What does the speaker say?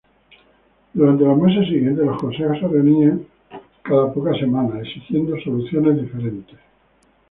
Durante los meses siguientes, los consejos se reunían cada pocas semanas, exigiendo soluciones diferentes.